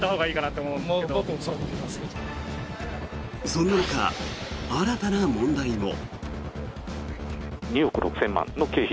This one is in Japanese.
そんな中、新たな問題も。